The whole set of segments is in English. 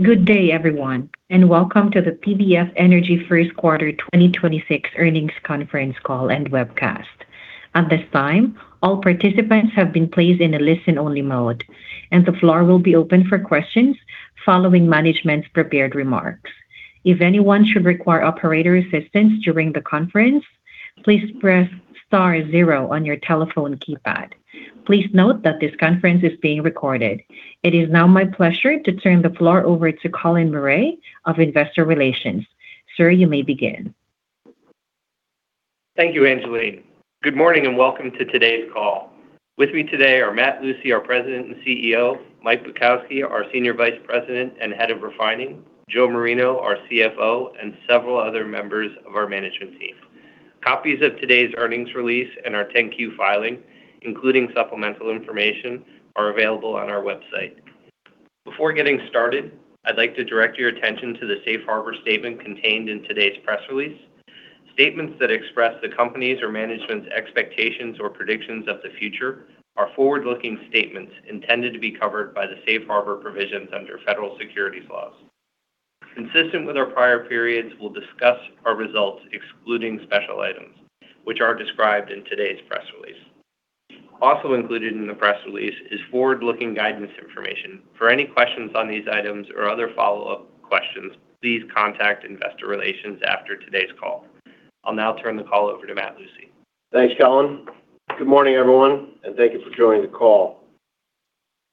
Good day, everyone. Welcome to the PBF Energy First Quarter 2026 Earnings Conference Call and Webcast. At this time, all participants have been placed on only listen mode. And the floor will be open for questions following management's prepared remarks. If anyone should require operator's assistant during the conference, please press star zero on your telephone keypad. Please note this conference is being recorded. It is now my pleasure to turn the floor over to Colin Murray of Investor Relations. Sir, you may begin. Thank you, Angeline. Good morning and welcome to today's call. With me today are Matt Lucey, our President and CEO, Mike Bukowski, our Senior Vice President and Head of Refining, Joe Marino, our CFO, and several other members of our management team. Copies of today's earnings release and our 10-Q filing, including supplemental information, are available on our website. Before getting started, I'd like to direct your attention to the safe harbor statement contained in today's press release. Statements that express the company's or management's expectations or predictions of the future are forward-looking statements intended to be covered by the safe harbor provisions under federal securities laws. Consistent with our prior periods, we'll discuss our results excluding special items, which are described in today's press release. Also included in the press release is forward-looking guidance information. For any questions on these items or other follow-up questions, please contact Investor Relations after today's call. I will now turn the call over to Matt Lucey. Thanks, Colin. Good morning, everyone, and thank you for joining the call.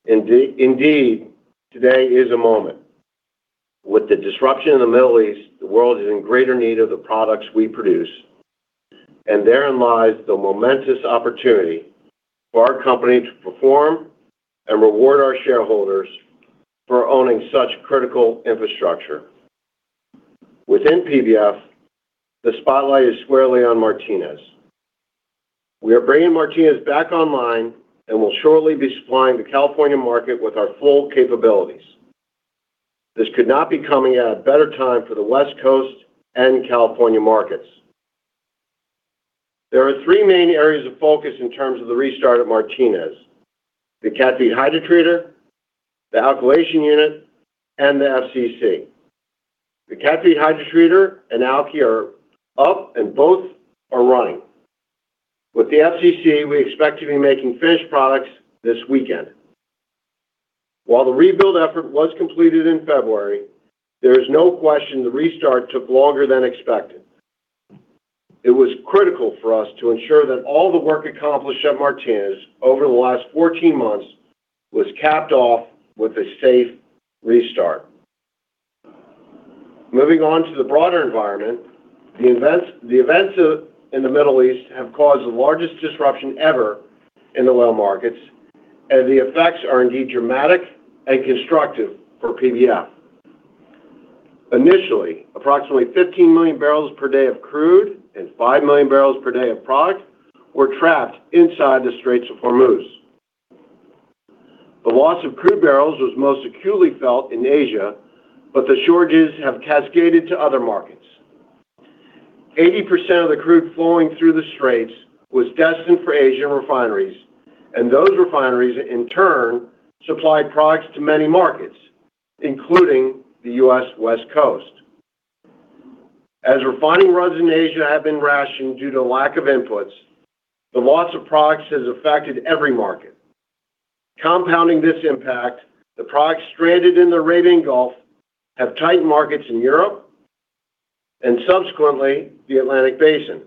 Indeed, today is a moment. With the disruption in the Middle East, the world is in greater need of the products we produce, and therein lies the momentous opportunity for our company to perform and reward our shareholders for owning such critical infrastructure. Within PBF, the spotlight is squarely on Martinez. We are bringing Martinez back online and will shortly be supplying the California market with our full capabilities. This could not be coming at a better time for the West Coast and California markets. There are three main areas of focus in terms of the restart of Martinez: the cat feed hydrotreater, the alkylation unit, and the FCC. The cat feed hydrotreater and alk are up, and both are running. With the FCC, we expect to be making finished products this weekend. While the rebuild effort was completed in February, there is no question the restart took longer than expected. It was critical for us to ensure that all the work accomplished at Martinez over the last 14 months was capped off with a safe restart. Moving on to the broader environment, the events in the Middle East have caused the largest disruption ever in the oil markets. The effects are indeed dramatic and constructive for PBF. Initially, approximately 15 million barrels per day of crude and 5 million barrels per day of product were trapped inside the Strait of Hormuz. The loss of crude barrels was most acutely felt in Asia, but the shortages have cascaded to other markets. 80% of the crude flowing through the straits was destined for Asian refineries, and those refineries in turn supplied products to many markets, including the U.S. West Coast. As refining runs in Asia have been rationed due to lack of inputs, the loss of products has affected every market. Compounding this impact, the products stranded in the Arabian Gulf have tightened markets in Europe and subsequently the Atlantic Basin.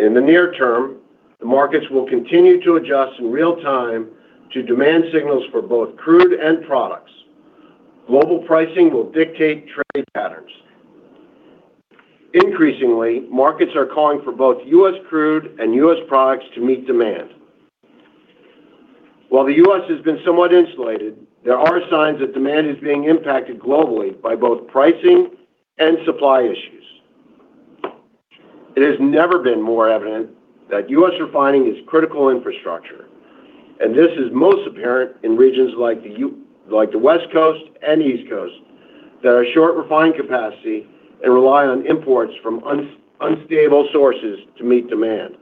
In the near term, the markets will continue to adjust in real time to demand signals for both crude and products. Global pricing will dictate trade patterns. Increasingly, markets are calling for both U.S. crude and U.S. products to meet demand. While the U.S. has been somewhat insulated, there are signs that demand is being impacted globally by both pricing and supply issues. It has never been more evident that U.S. refining is critical infrastructure, and this is most apparent in regions like the West Coast and East Coast that are short refining capacity and rely on imports from unstable sources to meet demand.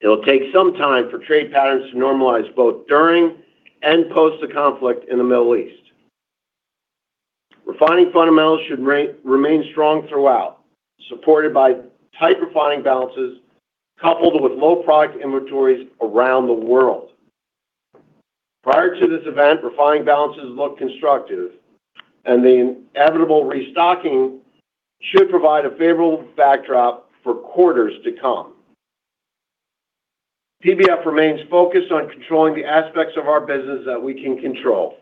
It'll take some time for trade patterns to normalize both during and post the conflict in the Middle East. Refining fundamentals should remain strong throughout, supported by tight refining balances coupled with low product inventories around the world. Prior to this event, refining balances look constructive, and the inevitable restocking should provide a favorable backdrop for quarters to come. PBF remains focused on controlling the aspects of our business that we can control.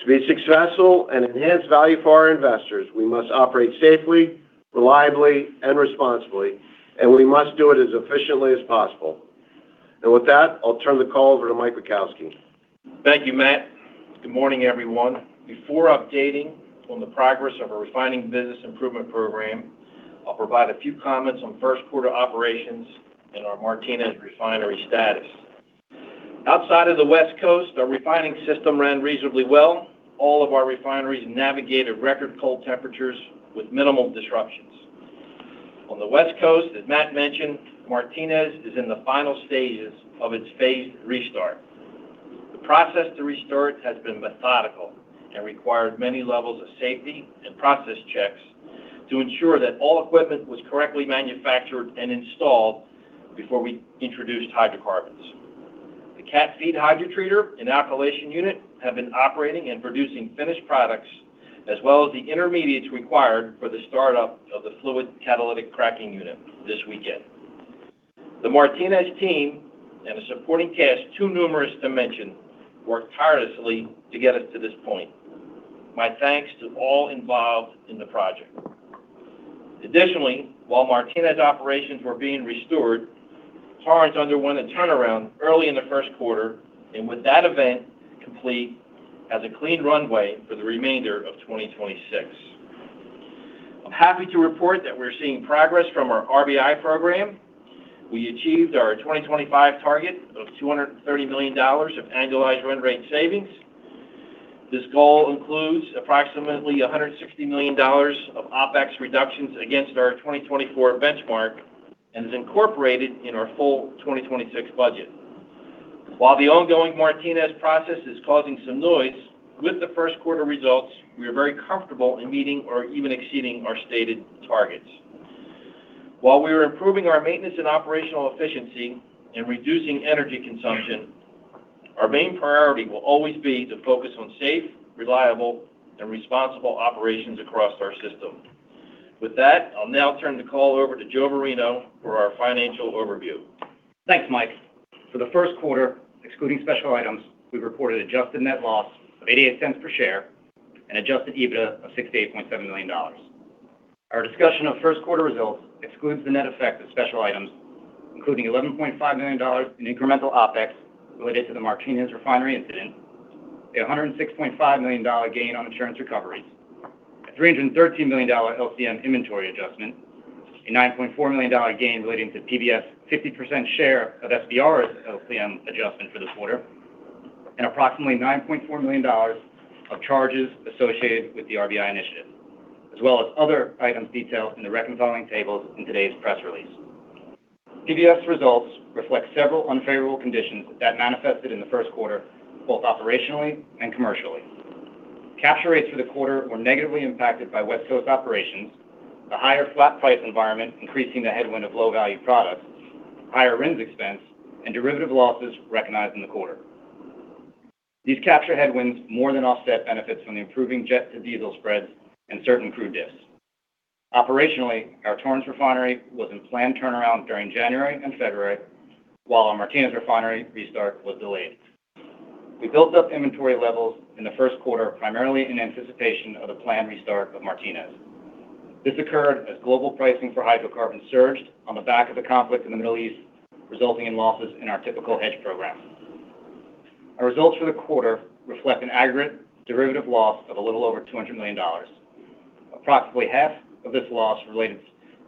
To be successful and enhance value for our investors, we must operate safely, reliably, and responsibly, and we must do it as efficiently as possible. With that, I'll turn the call over to Mike Bukowski. Thank you, Matt. Good morning, everyone. Before updating on the progress of our refining business improvement program, I'll provide a few comments on first-quarter operations and our Martinez refinery status. Outside of the West Coast, our refining system ran reasonably well. All of our refineries navigated record cold temperatures with minimal disruptions. On the West Coast, as Matt mentioned, Martinez is in the final stages of its phased restart. The process to restart has been methodical and required many levels of safety and process checks to ensure that all equipment was correctly manufactured and installed before we introduced hydrocarbons. The cat feed hydrotreater and alkylation unit have been operating and producing finished products as well as the intermediates required for the startup of the fluid catalytic cracking unit this weekend. The Martinez team and a supporting cast too numerous to mention worked tirelessly to get us to this point. My thanks to all involved in the project. Additionally, while Martinez operations were being restored, Torrance underwent a turnaround early in the first quarter, and with that event complete, has a clean runway for the remainder of 2026. I'm happy to report that we're seeing progress from our RBI program. We achieved our 2025 target of $230 million of annualized run rate savings. This goal includes approximately $160 million of OpEx reductions against our 2024 benchmark and is incorporated in our full 2026 budget. While the ongoing Martinez process is causing some noise, with the first quarter results, we are very comfortable in meeting or even exceeding our stated targets. While we are improving our maintenance and operational efficiency and reducing energy consumption, our main priority will always be to focus on safe, reliable, and responsible operations across our system. With that, I'll now turn the call over to Joe Marino for our financial overview. Thanks, Mike. For the first quarter, excluding special items, we reported adjusted net loss of $0.88 per share and Adjusted EBITDA of $68.7 million. Our discussion of first quarter results excludes the net effect of special items, including $11.5 million in incremental OpEx related to the Martinez refinery incident, a $106.5 million gain on insurance recoveries, a $313 million LCM inventory adjustment, a $9.4 million gain relating to PBF's 50% share of SBR's LCM adjustment for the quarter, and approximately $9.4 million of charges associated with the RBI initiative, as well as other items detailed in the reconciling tables in today's press release. PBF results reflect several unfavorable conditions that manifested in the first quarter, both operationally and commercially. Capture rates for the quarter were negatively impacted by West Coast operations, a higher flat price environment increasing the headwind of low-value products, higher RINs expense, and derivative losses recognized in the quarter. These capture headwinds more than offset benefits from the improving jet-to-diesel spreads and certain crude diffs. Operationally, our Torrance Refinery was in planned turnaround during January and February, while our Martinez Refinery restart was delayed. We built up inventory levels in the first quarter, primarily in anticipation of the planned restart of Martinez. This occurred as global pricing for hydrocarbons surged on the back of the conflict in the Middle East, resulting in losses in our typical hedge program. Our results for the quarter reflect an aggregate derivative loss of a little over $200 million. Approximately half of this loss related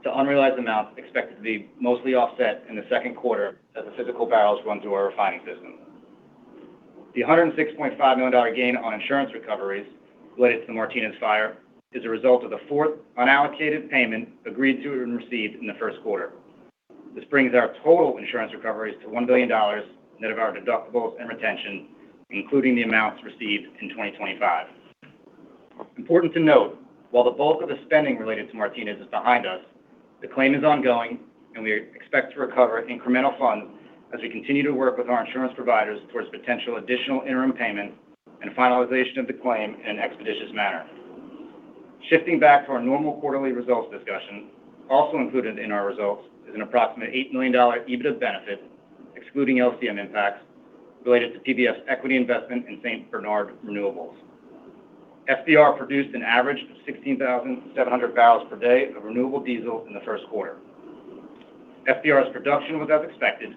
to unrealized amounts expected to be mostly offset in the second quarter as the physical barrels run through our refining system. The $106.5 million gain on insurance recoveries related to the Martinez fire is a result of the fourth unallocated payment agreed to and received in the first quarter. This brings our total insurance recoveries to $1 billion net of our deductibles and retention, including the amounts received in 2025. Important to note, while the bulk of the spending related to Martinez is behind us, the claim is ongoing, and we expect to recover incremental funds as we continue to work with our insurance providers towards potential additional interim payments and finalization of the claim in an expeditious manner. Shifting back to our normal quarterly results discussion, also included in our results is an approximate $8 million EBITDA benefit, excluding LCM impacts, related to PBF's equity investment in St. Bernard Renewables. SBR produced an average of 16,700 barrels per day of renewable diesel in the first quarter. SBR's production was as expected,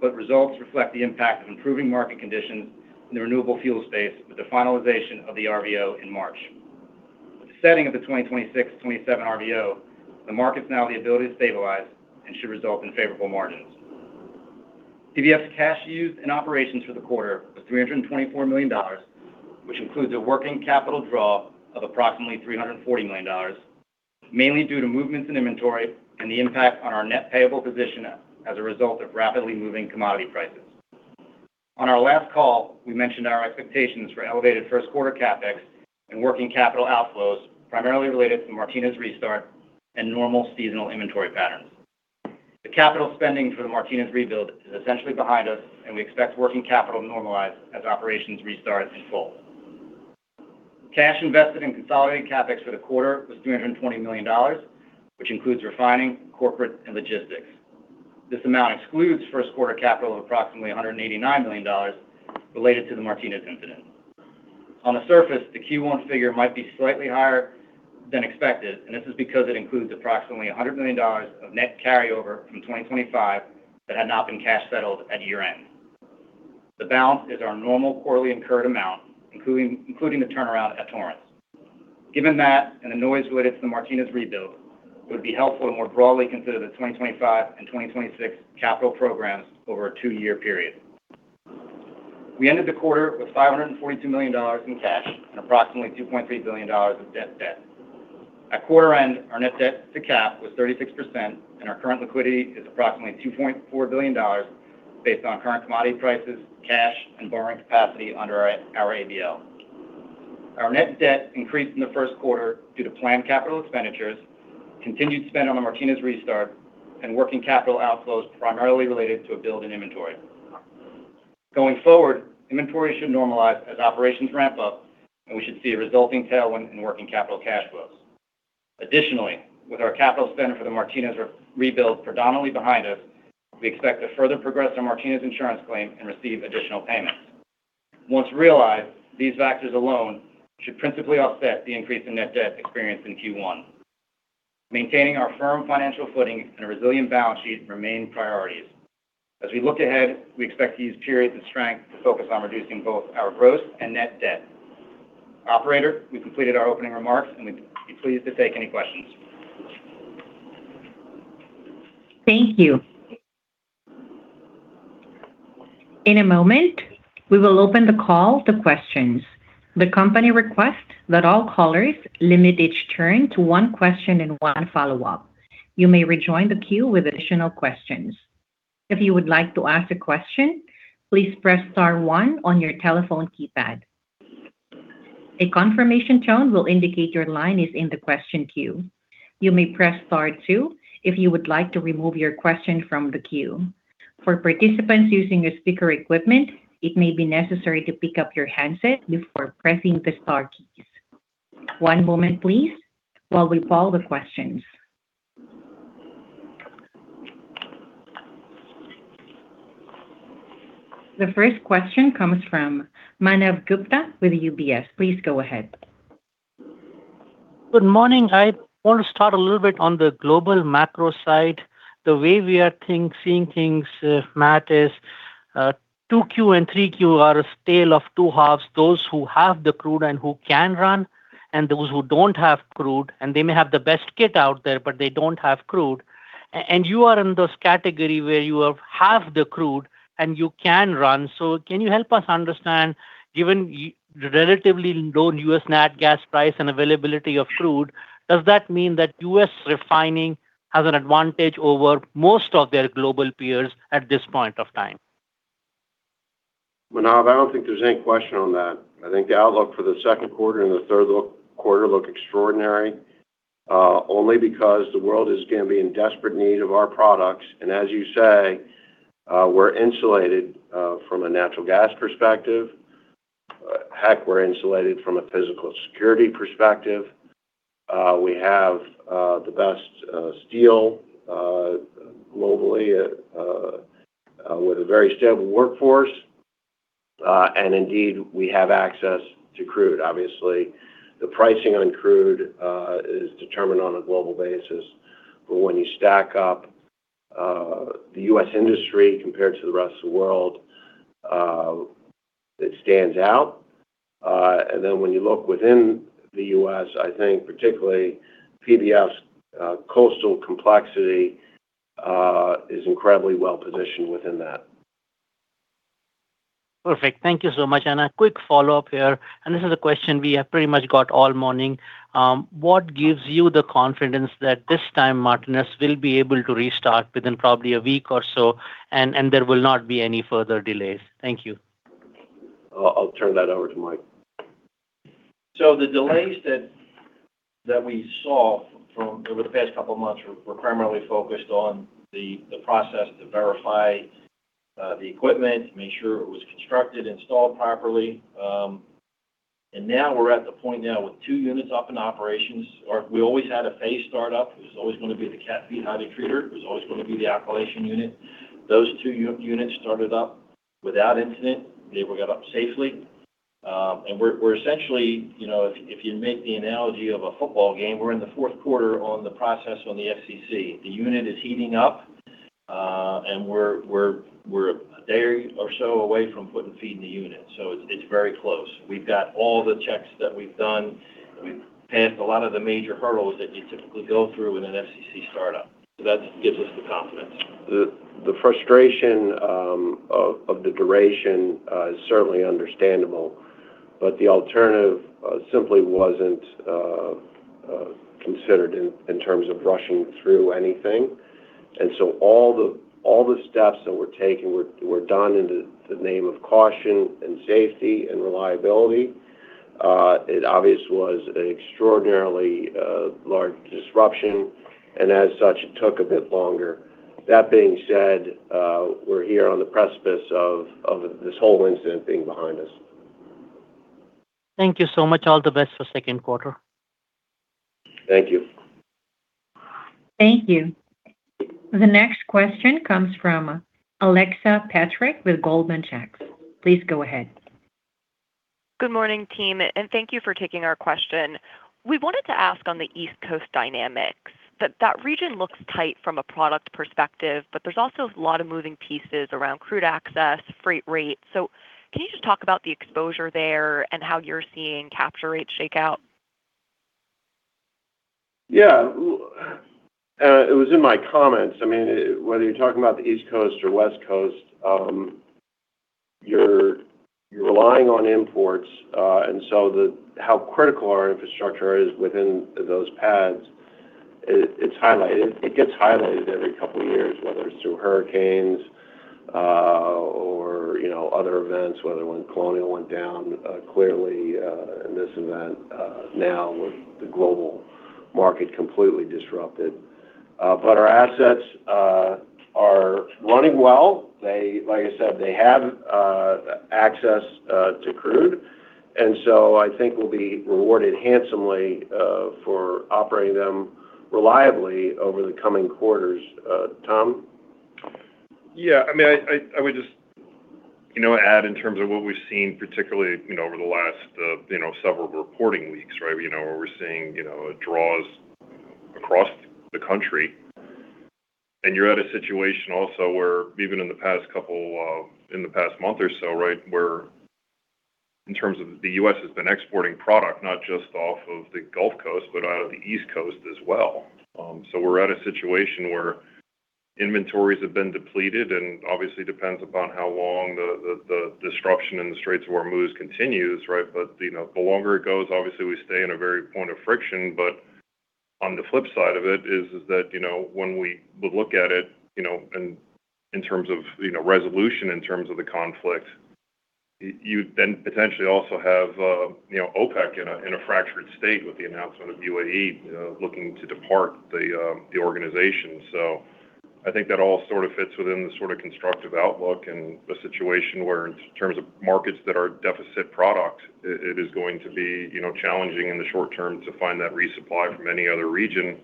but results reflect the impact of improving market conditions in the renewable fuel space with the finalization of the RVO in March. With the setting of the 2026, 2027 RVO, the market's now the ability to stabilize and should result in favorable margins. PBF cash used in operations for the quarter was $324 million, which includes a working capital draw of approximately $340 million, mainly due to movements in inventory and the impact on our net payable position as a result of rapidly moving commodity prices. On our last call, we mentioned our expectations for elevated first-quarter CapEx and working capital outflows primarily related to Martinez restart and normal seasonal inventory patterns. The capital spending for the Martinez rebuild is essentially behind us. We expect working capital to normalize as operations restart in full. Cash invested in consolidated CapEx for the quarter was $320 million, which includes refining, corporate, and logistics. This amount excludes first quarter capital of approximately $189 million related to the Martinez incident. On the surface, the Q1 figure might be slightly higher than expected, and this is because it includes approximately $100 million of net carryover from 2025 that had not been cash settled at year-end. The balance is our normal quarterly incurred amount, including the turnaround at Torrance. Given that and the noise related to the Martinez rebuild, it would be helpful to more broadly consider the 2025 and 2026 capital programs over a two-year period. We ended the quarter with $542 million in cash and approximately $2.3 billion in debt. At quarter end, our net debt to cap was 36%, and our current liquidity is approximately $2.4 billion based on current commodity prices, cash, and borrowing capacity under our ABL. Our net debt increased in the first quarter due to planned capital expenditures, continued spend on the Martinez restart, and working capital outflows primarily related to a build in inventory. Going forward, inventory should normalize as operations ramp up, and we should see a resulting tailwind in working capital cash flows. Additionally, with our capital spend for the Martinez rebuild predominantly behind us, we expect to further progress on Martinez insurance claim and receive additional payments. Once realized, these factors alone should principally offset the increase in net debt experienced in Q1. Maintaining our firm financial footing and a resilient balance sheet remain priorities. As we look ahead, we expect to use periods of strength to focus on reducing both our gross and net debt. Operator, we've completed our opening remarks, and we'd be pleased to take any questions. Thank you. In a moment, we will open the call to questions. The company requests that all callers limit each turn to one question and one follow-up. You may rejoin the queue with additional questions. If you would like to ask a question, please press star one on your telephone keypad. A confirmation tone will indicate your line is in the question queue. You may press star two if you would like to remove your question from the queue. For participants using a speaker equipment, it may be necessary to pick up your handset before pressing the star keys. One moment, please, while we follow the questions. The first question comes from Manav Gupta with UBS. Please go ahead. Good morning. I want to start a little bit on the global macro side. The way we are seeing things, Matt, is, 2Q and 3Q are a tale of two halves: those who have the crude and who can run and those who don't have crude, and they may have the best kit out there, but they don't have crude. And you are in this category where you have half the crude, and you can run. Can you help us understand, given the relatively low U.S. nat gas price and availability of crude, does that mean that U.S. refining has an advantage over most of their global peers at this point of time? Manav, I don't think there's any question on that. I think the outlook for the second quarter and the third quarter look extraordinary, only because the world is gonna be in desperate need of our products. As you say, we're insulated from a natural gas perspective. Heck, we're insulated from a physical security perspective. We have the best steel globally with a very stable workforce. Indeed, we have access to crude. Obviously, the pricing on crude is determined on a global basis. When you stack up the U.S. industry compared to the rest of the world, it stands out. When you look within the U.S., I think particularly PBF's coastal complexity is incredibly well-positioned within that. Perfect. Thank you so much. A quick follow-up here, and this is a question we have pretty much got all morning. What gives you the confidence that this time Martinez will be able to restart within probably a week or so, and there will not be any further delays? Thank you. I'll turn that over to Mike. The delays that we saw over the past couple of months were primarily focused on the process to verify the equipment, make sure it was constructed and installed properly. Now we're at the point now with two units up in operations. We always had a phased start up. It was always gonna be the cat feed hydrotreater. It was always gonna be the alkylation unit. Those two units started up without incident. They were got up safely. We're essentially, you know, if you make the analogy of a football game, we're in the fourth quarter on the process on the FCC. The unit is heating up. We're a day or so away from putting feed in the unit, so it's very close. We've got all the checks that we've done. We've passed a lot of the major hurdles that you typically go through in an FCC startup. That gives us the confidence. The frustration of the duration is certainly understandable, but the alternative simply wasn't considered in terms of rushing through anything. All the steps that were taken were done in the name of caution and safety, and reliability. It obviously was an extraordinarily large disruption, and as such, it took a bit longer. That being said, we're here on the precipice of this whole incident being behind us. Thank you so much. All the best for second quarter. Thank you. Thank you. The next question comes from Alexa Petrick with Goldman Sachs. Please go ahead. Good morning, team, thank you for taking our question. We wanted to ask on the East Coast dynamics, that region looks tight from a product perspective, but there's also a lot of moving pieces around crude access, freight rates. Can you just talk about the exposure there and how you're seeing capture rates shake out? It was in my comments. I mean, whether you're talking about the East Coast or West Coast, you're relying on imports, how critical our infrastructure is within those pads. It's highlighted. It gets highlighted every couple of years, whether it's through hurricanes or, you know, other events, whether when Colonial went down, clearly, in this event, now with the global market completely disrupted. Our assets are running well. They, like I said, they have access to crude, I think we'll be rewarded handsomely for operating them reliably over the coming quarters. Tom? Yeah. I mean, I would just, you know, add in terms of what we've seen, particularly, you know, over the last, you know, several reporting weeks, right? You know, where we're seeing, you know, draws across the country. You're at a situation also where even in the past couple in the past month or so, right, where in terms of the U.S. has been exporting product, not just off of the Gulf Coast, but out of the East Coast as well. We're at a situation where inventories have been depleted and obviously depends upon how long the disruption in the Straits of Hormuz continues, right? You know, the longer it goes, obviously we stay in a very point of friction. On the flip side of it is that, you know, when we would look at it, you know, in terms of, you know, resolution in terms of the conflict, you then potentially also have, you know, OPEC in a fractured state with the announcement of UAE, you know, looking to depart the organization. I think that all sort of fits within the sort of constructive outlook and a situation where in terms of markets that are deficit product, it is going to be, you know, challenging in the short term to find that resupply from any other region,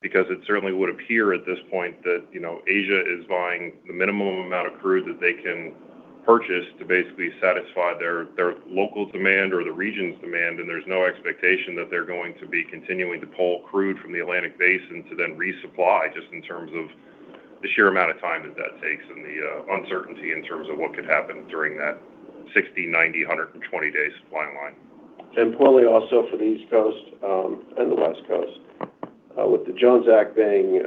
because it certainly would appear at this point that, you know, Asia is buying the minimum amount of crude that they can purchase to basically satisfy their local demand or the region's demand. There's no expectation that they're going to be continuing to pull crude from the Atlantic Basin to then resupply, just in terms of the sheer amount of time that that takes and the uncertainty in terms of what could happen during that 60, 90, 120-day supply line. Importantly, also for the East Coast and the West Coast, with the Jones Act being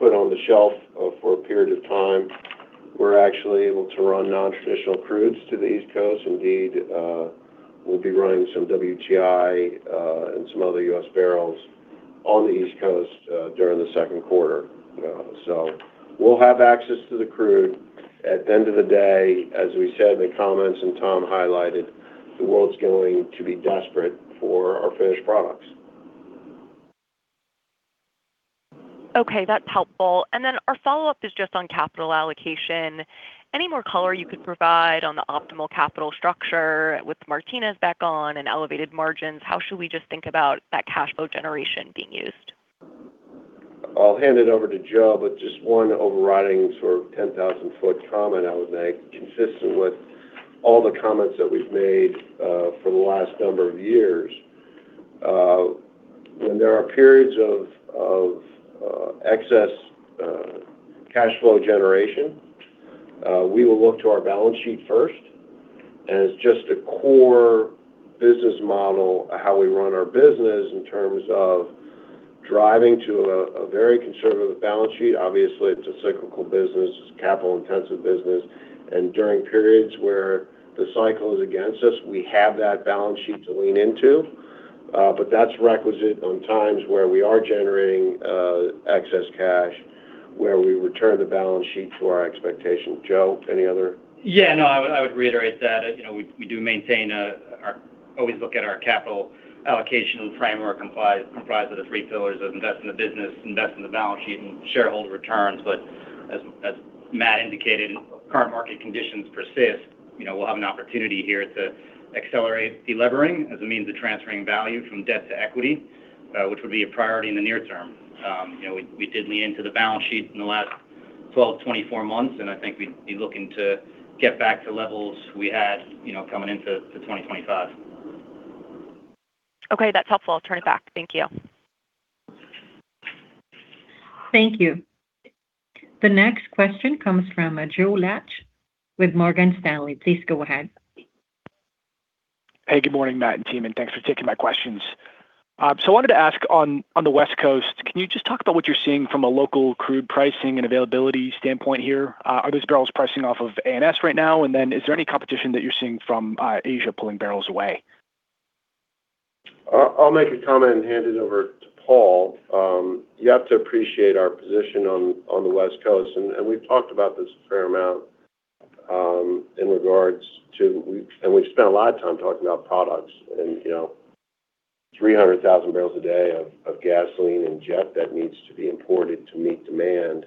put on the shelf for a period of time, we're actually able to run non-traditional crudes to the East Coast. We'll be running some WTI and some other U.S. barrels on the East Coast during the second quarter. We'll have access to the crude. At the end of the day, as we said in the comments and Tom highlighted, the world's going to be desperate for our finished products. Okay, that's helpful. Our follow-up is just on capital allocation. Any more color you could provide on the optimal capital structure with Martinez back on and elevated margins? How should we just think about that cash flow generation being used? I'll hand it over to Joe. Just one overriding sort of 10,000-foot comment I would make, consistent with all the comments that we've made for the last number of years. When there are periods of excess cash flow generation, we will look to our balance sheet first. As just a core business model, how we run our business in terms of driving to a very conservative balance sheet. Obviously, it's a cyclical business; it's a capital-intensive business, during periods where the cycle is against us, we have that balance sheet to lean into. That's requisite on times where we are generating excess cash, where we return the balance sheet to our expectations. Joe, any other? Yeah, no, I would reiterate that. You know, we do maintain our always look at our capital allocation framework, comprised of the three pillars of invest in the business, invest in the balance sheet, and shareholder returns. As Matt indicated, if current market conditions persist, you know, we'll have an opportunity here to accelerate de-levering as a means of transferring value from debt to equity, which would be a priority in the near term. You know, we did lean into the balance sheet in the last 12, 24 months, and I think we'd be looking to get back to levels we had, you know, coming into 2025. Okay, that's helpful. I'll turn it back. Thank you. Thank you. The next question comes from Joe Laetsch with Morgan Stanley. Please go ahead. Hey, good morning, Matt and team, and thanks for taking my questions. I wanted to ask on the West Coast, can you just talk about what you're seeing from a local crude pricing and availability standpoint here? Are those barrels pricing off of ANS right now? Is there any competition that you're seeing from Asia pulling barrels away? I'll make a comment and hand it over to Paul. You have to appreciate our position on the West Coast. We've talked about this a fair amount in regards to we've spent a lot of time talking about products and, you know, 300,000 barrels a day of gasoline and jet that needs to be imported to meet demand.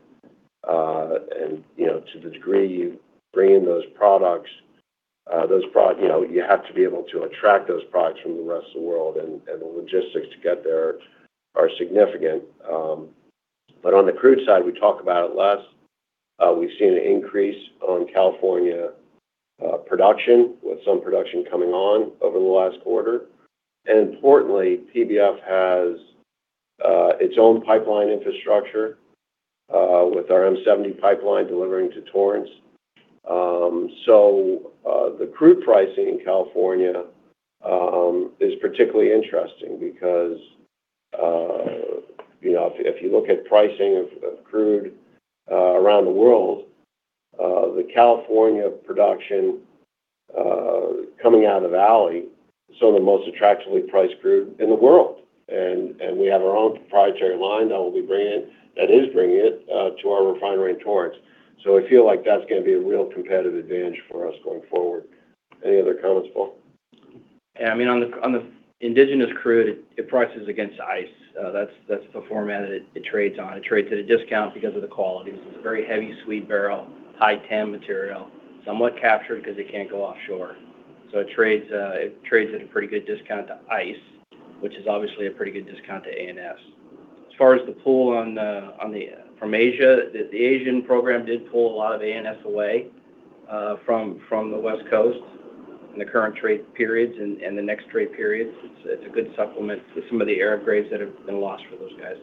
You know, to the degree you bring in those products, you know, you have to be able to attract those products from the rest of the world, and the logistics to get there are significant. On the crude side, we talk about it less. We've seen an increase on California production with some production coming on over the last quarter. Importantly, PBF has its own pipeline infrastructure with our M 70 pipeline delivering to Torrance. The crude pricing in California is particularly interesting because, you know, if you look at pricing of crude around the world, the California production coming out of the valley is some of the most attractively priced crude in the world. We have our own proprietary line that is bringing it to our refinery in Torrance. I feel like that's gonna be a real competitive advantage for us going forward. Any other comments, Paul? I mean, on the indigenous crude, it prices against ICE. That's the format it trades on. It trades at a discount because of the quality. It's a very heavy sweet barrel, high TAN material, somewhat captured because it can't go offshore. It trades at a pretty good discount to ICE, which is obviously a pretty good discount to ANS. As far as the pull on from Asia, the Asian program did pull a lot of ANS away from the West Coast in the current trade periods and the next trade periods. It's a good supplement to some of the Arab grades that have been lost for those guys.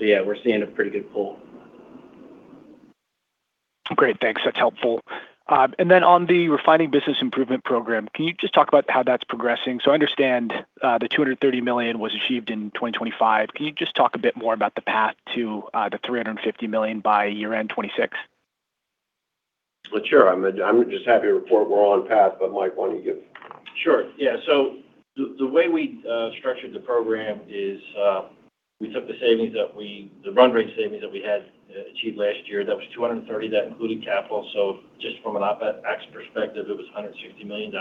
We're seeing a pretty good pull. Great. Thanks. That's helpful. On the Refining Business Improvement Program, can you just talk about how that's progressing? I understand the $230 million was achieved in 2025. Can you just talk a bit more about the path to the $350 million by year-end 2026? Well, sure. I'm just happy to report we're on path, but Mike, why don't you give? Sure. Yeah. The way we structured the program is, we took the run rate savings that we had achieved last year. That was $230 million. That included capital. So just from an OpEx perspective, it was $160 million.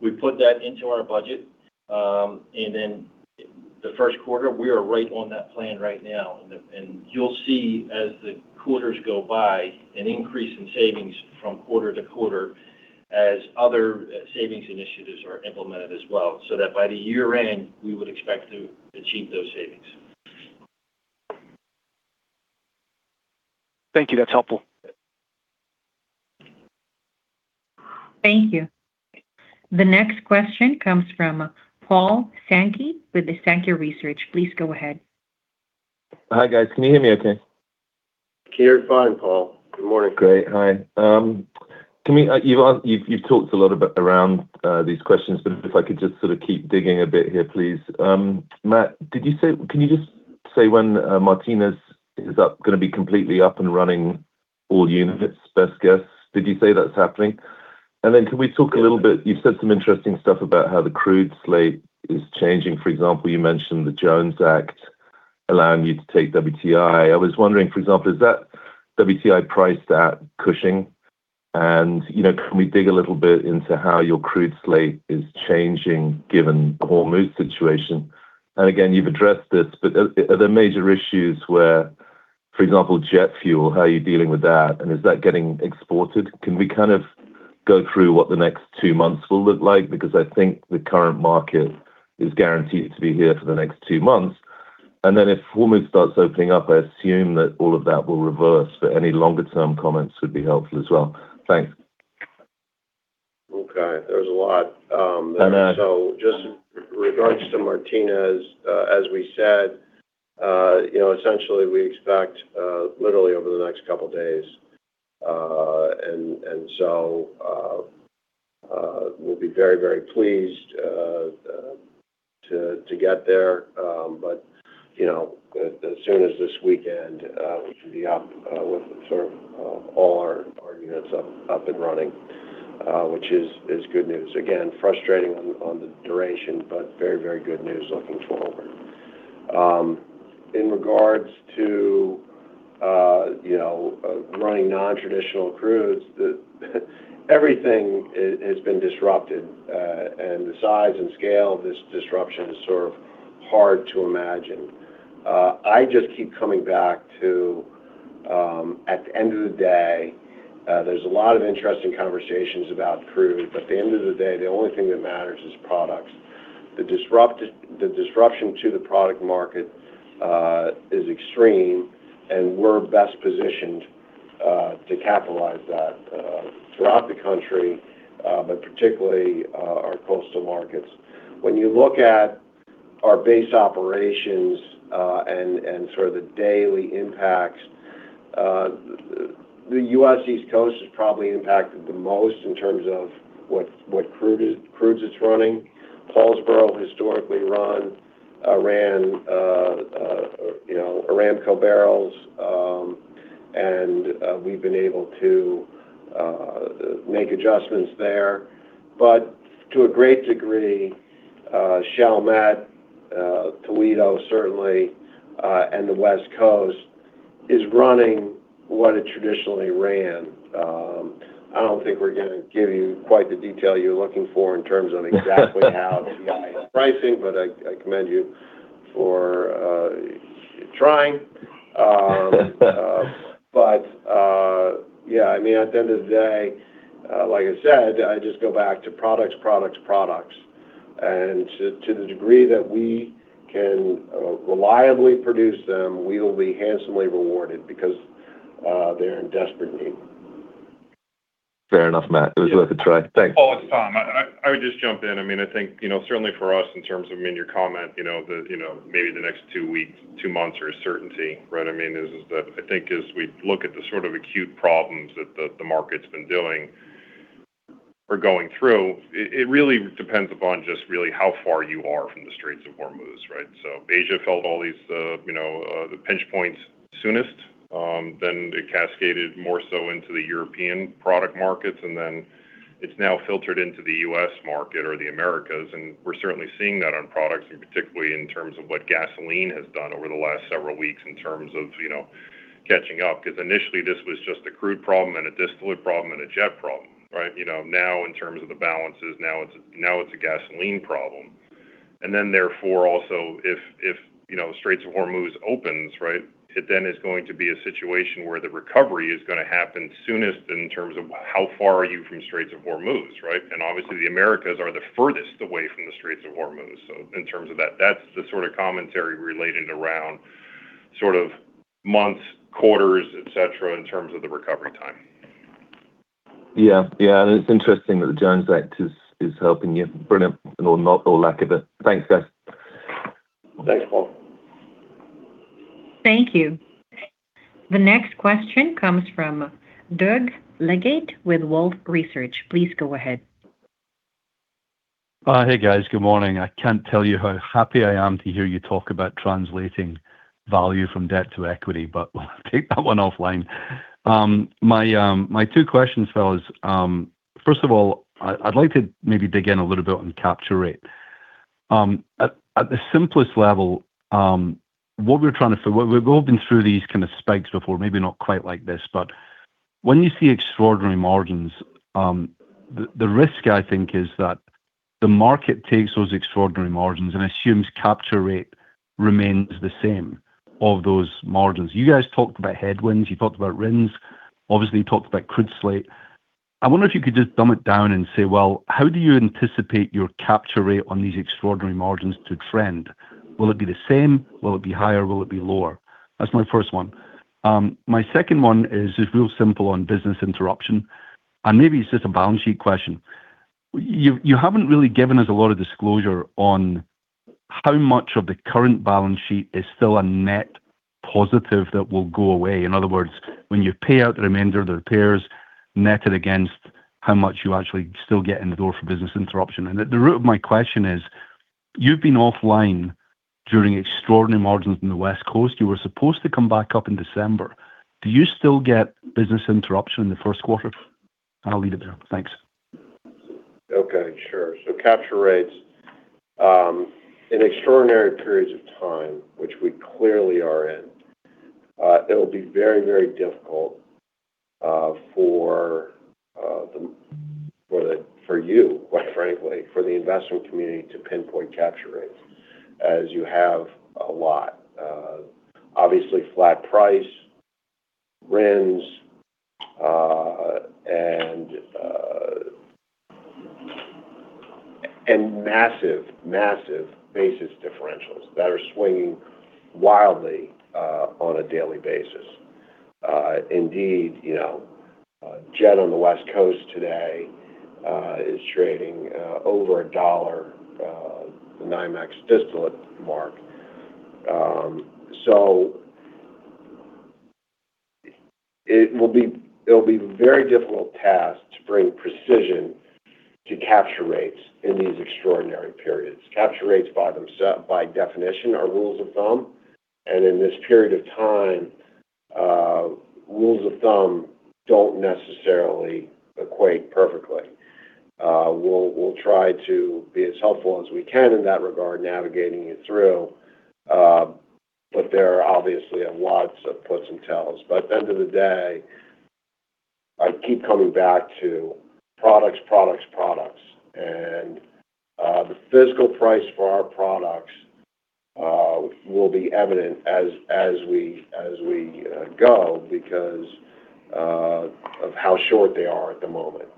We put that into our budget, and then the first quarter, we are right on that plan right now. You'll see as the quarters go by an increase in savings from quarter-to-quarter as other savings initiatives are implemented as well, so that by the year-end, we would expect to achieve those savings. Thank you. That's helpful. Thank you. The next question comes from Paul Sankey with Sankey Research. Please go ahead. Hi, guys. Can you hear me okay? Can hear you fine, Paul. Good morning. Great. Hi. You've talked a lot about around these questions, but if I could just sort of keep digging a bit here, please. Matt, can you just say when Martinez is gonna be completely up and running all units, best guess? Did you say that's happening? Then, can we talk a little bit, you've said some interesting stuff about how the crude slate is changing. For example, you mentioned the Jones Act allowing you to take WTI. I was wondering, for example, is that WTI price at Cushing? You know, can we dig a little bit into how your crude slate is changing, given the whole Hormuz situation? Again, you've addressed this, but are there major issues where, for example, jet fuel, how are you dealing with that? Is that getting exported? Can we kind of go through what the next two months will look like? I think the current market is guaranteed to be here for the next two months. If Hormuz starts opening up, I assume that all of that will reverse, but any longer-term comments would be helpful as well. Thanks. Okay. There's a lot. I know. Just in regards to Martinez, as we said, essentially we expect literally over the next couple days. We'll be very, very pleased to get there. As soon as this weekend, we should be up with all our units up and running, which is good news. Again, frustrating on the duration, but very, very good news looking forward. In regards to running non-traditional crudes, everything has been disrupted, and the size and scale of this disruption is hard to imagine. I just keep coming back to, at the end of the day, there's a lot of interesting conversations about crude, but at the end of the day, the only thing that matters is products. The disruption to the product market is extreme, and we're best positioned to capitalize that throughout the country, but particularly, our coastal markets. When you look at our base operations, and sort of the daily impacts, the U.S. East Coast is probably impacted the most in terms of what crudes it's running. Paulsboro historically ran, you know, Aramco barrels. We've been able to make adjustments there. To a great degree, Chalmette, Toledo certainly and the West Coast is running what it traditionally ran. I don't think we're gonna give you quite the detail you're looking for in terms of exactly how WTI is pricing. I commend you for trying. I mean, at the end of the day, like I said, I just go back to products, products. To the degree that we can reliably produce them, we will be handsomely rewarded because they're in desperate need. Fair enough, Matt. It was worth a try. Thanks. Paul, it's Tom. I would just jump in. I mean, I think, you know, certainly for us in terms of, I mean, your comment, you know, the, you know, maybe the next two weeks, two months or certainty, right? I mean, is that I think as we look at the sort of acute problems that the market's been dealing. We're going through. It really depends upon just really how far you are from the Strait of Hormuz, right? Asia felt all these, you know, the pinch points soonest, then it cascaded more so into the European product markets, and then it's now filtered into the U.S. market or the Americas. We're certainly seeing that on products and particularly in terms of what gasoline has done over the last several weeks in terms of, you know, catching up. 'Cause initially, this was just a crude problem and a distillate problem and a jet problem, right? You know, now in terms of the balances, now it's a gasoline problem. Therefore, also if, you know, Strait of Hormuz opens, right? It is going to be a situation where the recovery is going to happen soonest in terms of how far are you from Straits of Hormuz, right? Obviously, the Americas are the furthest away from the Straits of Hormuz. In terms of that's the sort of commentary relating around sort of months, quarters, et cetera, in terms of the recovery time. Yeah. Yeah. It's interesting that the Jones Act is helping you. Brilliant. Or not or lack of it. Thanks, guys. Thanks, Paul. Thank you. The next question comes from Doug Leggate with Wolfe Research. Please go ahead. Hey, guys. Good morning. I can't tell you how happy I am to hear you talk about translating value from debt to equity, we'll take that one offline. My two questions, fellas, first of all, I'd like to maybe dig in a little bit on capture rate. At the simplest level, we've all been through these kind of spikes before, maybe not quite like this. When you see extraordinary margins, the risk I think is that the market takes those extraordinary margins and assumes capture rate remains the same of those margins. You guys talked about headwinds, you talked about RINs, obviously, you talked about crude slate. I wonder if you could just dumb it down and say, well, how do you anticipate your capture rate on these extraordinary margins to trend? Will it be the same? Will it be higher? Will it be lower? That's my first one. My second one is real simple on business interruption, and maybe it's just a balance sheet question. You, you haven't really given us a lot of disclosure on how much of the current balance sheet is still a net positive that will go away. In other words, when you pay out the remainder of the repairs netted against how much you actually still get in the door for business interruption. At the root of my question is, you've been offline during extraordinary margins in the West Coast. You were supposed to come back up in December. Do you still get business interruption in the first quarter? I'll leave it there. Thanks. Okay. Sure. Capture rates in extraordinary periods of time, which we clearly are in, it'll be very difficult for you, quite frankly, for the investment community to pinpoint capture rates as you have a lot. Obviously, flat price, RINs, and massive basis differentials that are swinging wildly on a daily basis. Indeed, you know, jet on the West Coast today is trading over $1 the NYMEX distillate mark. It'll be very difficult task to bring precision to capture rates in these extraordinary periods. Capture rates by definition, are rules of thumb. In this period of time, rules of thumb don't necessarily equate perfectly. We'll try to be as helpful as we can in that regard, navigating you through. There are obviously lots of puts and takes. At the end of the day, I keep coming back to products, products. The physical price for our products will be evident as we go because of how short they are at the moment.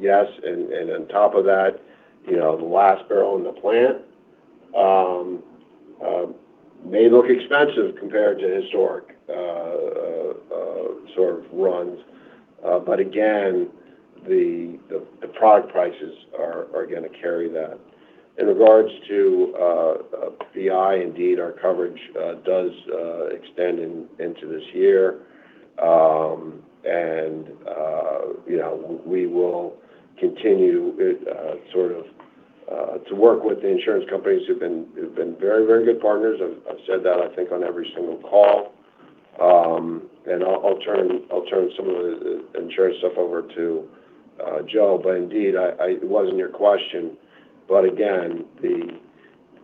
Yes, and on top of that, you know, the last barrel in the plant may look expensive compared to historic sort of runs. Again, the product prices are gonna carry that. In regards to BI, indeed, our coverage does extend into this year. You know, we will continue it to work with the insurance companies who've been very good partners. I've said that I think on every single call. I'll turn some of the insurance stuff over to Joe Marino. Indeed, it wasn't your question, but again, the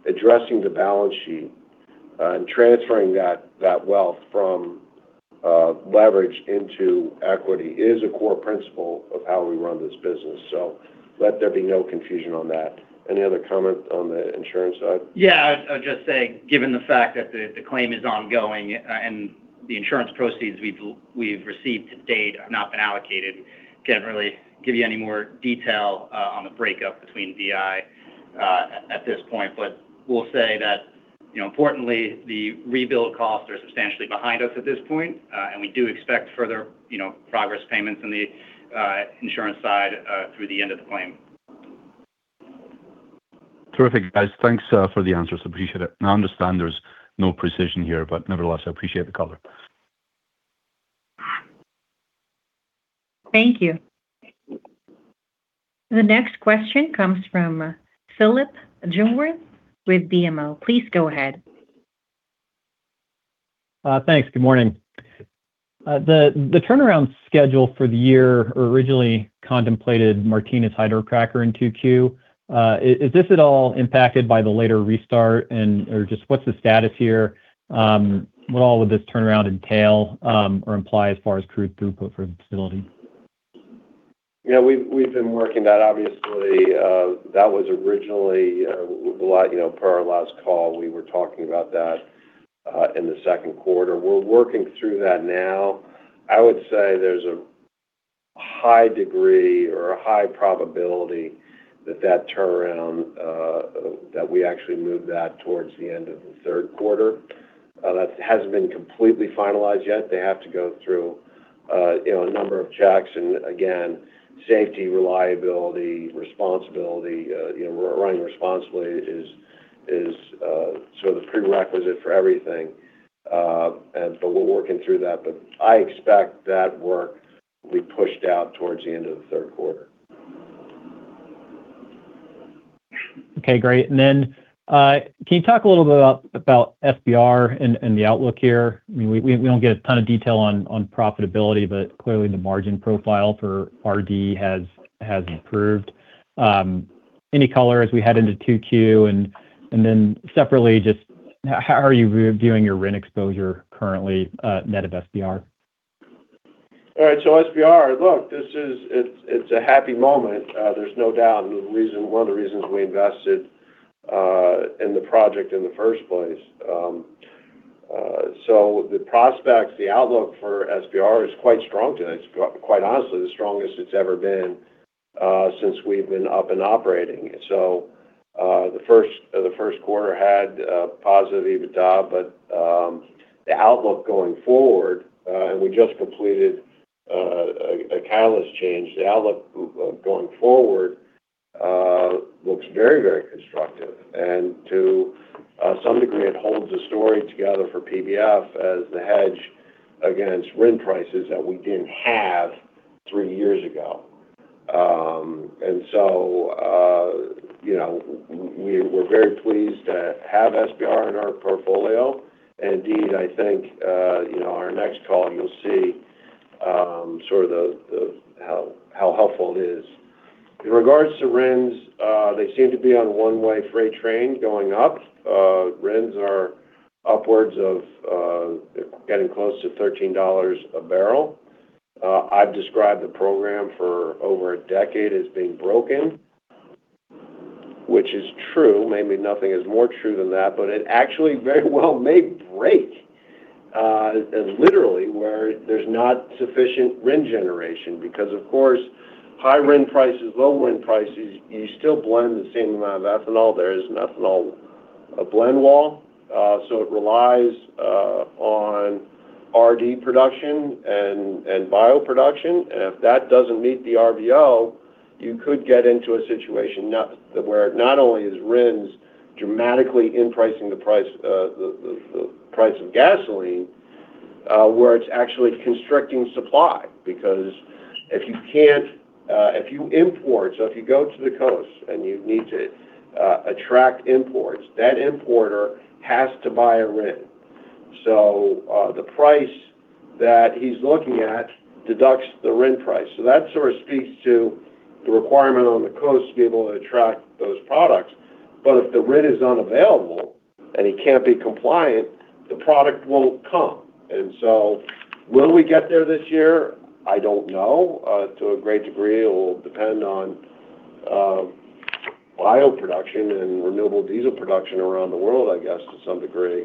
addressing the balance sheet and transferring that wealth from leverage into equity is a core principle of how we run this business. Let there be no confusion on that. Any other comment on the insurance side? I'd just say given the fact that the claim is ongoing and the insurance proceeds we've received to date have not been allocated, can't really give you any more detail on the breakup between BI at this point. We'll say that, you know, importantly, the rebuild costs are substantially behind us at this point, and we do expect further, you know, progress payments on the insurance side through the end of the claim. Terrific, guys. Thanks for the answers. Appreciate it. I understand there's no precision here, but nevertheless, I appreciate the color. Thank you. The next question comes from Phillip Jungwirth with BMO. Please go ahead. Thanks. Good morning. The turnaround schedule for the year originally contemplated Martinez hydrocracker in 2Q. Is this at all impacted by the later restart or just what's the status here? What all would this turnaround entail or imply as far as crude throughput for the facility? Yeah, we've been working that. Obviously, well, you know, per our last call, we were talking about that in the second quarter. We're working through that now. I would say there's a high degree or a high probability that that turnaround that we actually move that towards the end of the third quarter. That hasn't been completely finalized yet. They have to go through, you know, a number of checks. Again, safety, reliability, responsibility, you know, running responsibly is sort of the prerequisite for everything. We're working through that, but I expect that work will be pushed out towards the end of the third quarter. Okay, great. Then, can you talk a little bit about SBR and the outlook here? I mean, we don't get a ton of detail on profitability, but clearly the margin profile for RD has improved. Any color as we head into 2Q? Then separately, just how are you viewing your RIN exposure currently, net of SBR? All right. SBR, look, it's a happy moment. There's no doubt one of the reasons we invested in the project in the first place. The prospects, the outlook for SBR is quite strong today. It's quite honestly the strongest it's ever been since we've been up and operating. The first quarter had a positive EBITDA, the outlook going forward, and we just completed a catalyst change. The outlook going forward looks very, very constructive. To some degree, it holds the story together for PBF as the hedge against RIN prices that we didn't have three years ago. You know, we're very pleased to have SBR in our portfolio. I think, you know, our next call, you'll see, sort of how helpful it is. In regards to RINs, they seem to be on one-way freight train going up. RINs are upwards of, getting close to $13 a barrel. I've described the program for over a decade as being broken, which is true. Maybe nothing is more true than that, but it actually very well may break, literally, where there's not sufficient RIN generation because, of course, high RIN prices, low RIN prices, you still blend the same amount of ethanol. There is an ethanol, a blend wall. It relies on RD production and bio production. If that doesn't meet the RVO, you could get into a situation not only is RINs dramatically in pricing the price of gasoline, where it's actually constricting supply. Because if you import, so if you go to the coast and you need to attract imports, that importer has to buy a RIN. The price that he's looking at deducts the RIN price. That sort of speaks to the requirement on the coast to be able to attract those products. If the RIN is unavailable and he can't be compliant, the product won't come. Will we get there this year? I don't know. To a great degree, it will depend on bio production and Renewable Diesel production around the world, I guess, to some degree.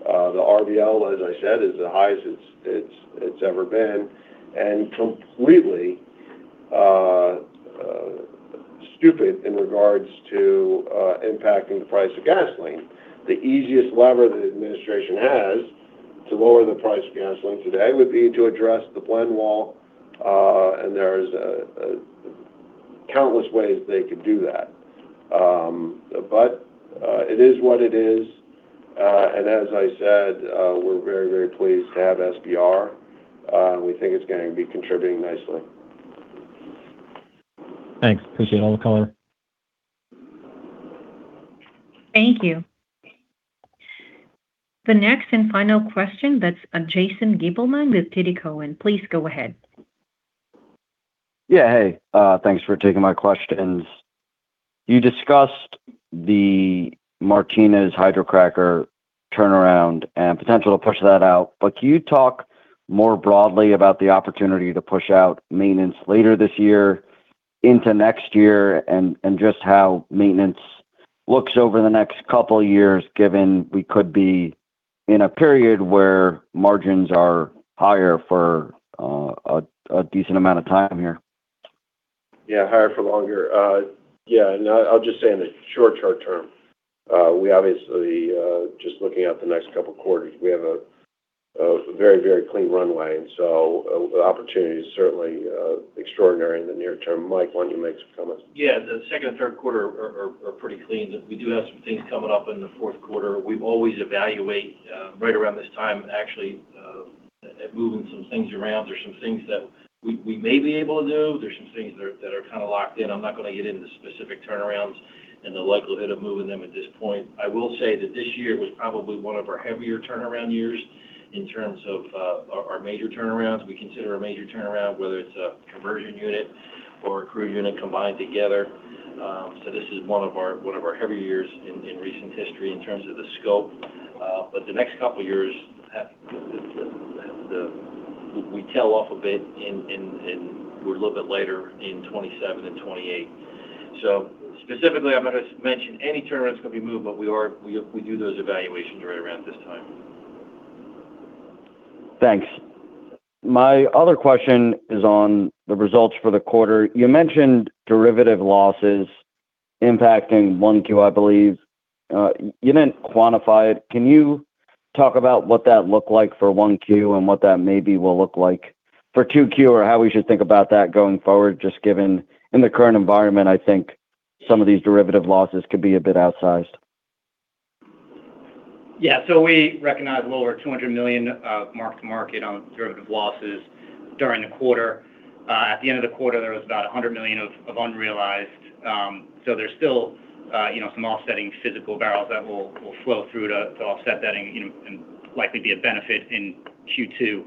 The RVO, as I said, is the highest it's ever been, and completely stupid in regards to impacting the price of gasoline. The easiest lever the administration has to lower the price of gasoline today would be to address the blend wall. There are countless ways they could do that. It is what it is. As I said, we're very, very pleased to have SBR. We think it's going to be contributing nicely. Thanks. Appreciate all the color. Thank you. The next and final question that's Jason Gabelman with TD Cowen. Please go ahead. Hey, thanks for taking my questions. You discussed the Martinez hydrocracker turnaround and potential to push that out, but can you talk more broadly about the opportunity to push out maintenance later this year into next year and just how maintenance looks over the next couple of years, given we could be in a period where margins are higher for a decent amount of time here? Yeah, higher for longer. Yeah. I'll just say in the short term, we obviously, just looking at the next couple quarters, we have a very clean runway. The opportunity is certainly extraordinary in the near term. Mike, why don't you make some comments? Yeah. The second and third quarter are pretty clean. We do have some things coming up in the fourth quarter. We've always evaluated right around this time, actually, at moving some things around. There's some things that we may be able to do. There's some things that are kinda locked in. I'm not gonna get into specific turnarounds and the likelihood of moving them at this point. I will say that this year was probably one of our heavier turnaround years in terms of our major turnarounds. We consider a major turnaround, whether it's a conversion unit or a crude unit combined together. This is one of our heavier years in recent history in terms of the scope. we tail off a bit in. We're a little bit later in 2027 and 2028. Specifically, I'm not gonna mention any turnarounds gonna be moved, but we do those evaluations right around this time. Thanks. My other question is on the results for the quarter. You mentioned derivative losses impacting 1Q, I believe. You didn't quantify it. Can you talk about what that looked like for 1Q and what that maybe will look like for 2Q, or how we should think about that going forward, just given in the current environment, I think some of these derivative losses could be a bit outsized? Yeah. We recognized a little over $200 million mark-to-market on derivative losses during the quarter. At the end of the quarter, there was about $100 million of unrealized. There's still, you know, some offsetting physical barrels that will flow through to offset that and, you know, and likely be a benefit in Q2.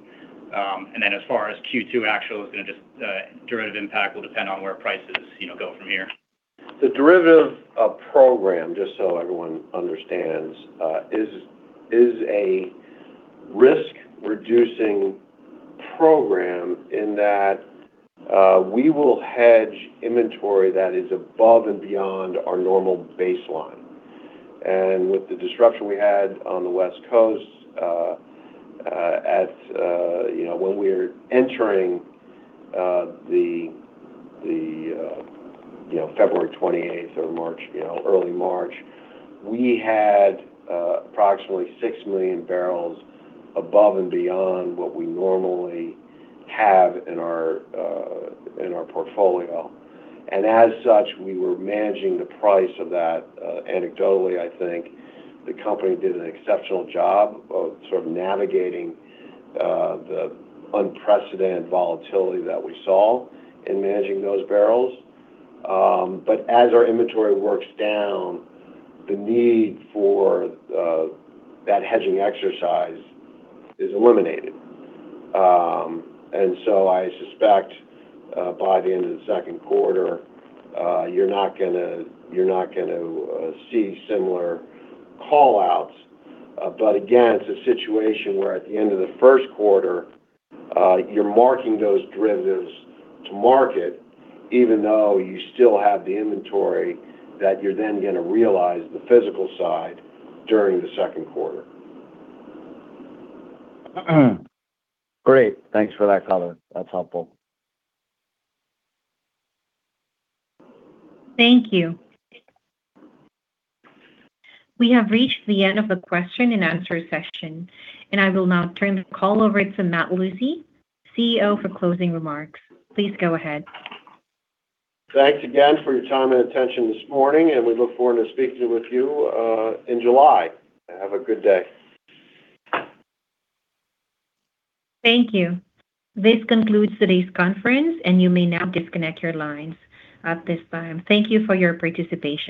As far as Q2 actual, it's going to just derivative impact will depend on where prices, you know, go from here. The derivative program, just so everyone understands, is a risk-reducing program in that we will hedge inventory that is above and beyond our normal baseline. With the disruption we had on the West Coast, at, you know, when we're entering, the, you know, February 20th or March, you know, early March, we had approximately 6 million barrels above and beyond what we normally have in our, in our portfolio. As such, we were managing the price of that. Anecdotally, I think the company did an exceptional job of sort of navigating the unprecedented volatility that we saw in managing those barrels. As our inventory works down, the need for that hedging exercise is eliminated. I suspect, by the end of the second quarter, you're not gonna see similar call-outs. Again, it's a situation where at the end of the first quarter, you're marking those derivatives to market, even though you still have the inventory that you're then gonna realize the physical side during the second quarter. Great. Thanks for that color. That's helpful. Thank you. We have reached the end of the question-and-answer session. I will now turn the call over to Matt Lucey, CEO, for closing remarks. Please go ahead. Thanks again for your time and attention this morning, and we look forward to speaking with you in July. Have a good day. Thank you. This concludes today's conference. You may now disconnect your lines at this time. Thank you for your participation.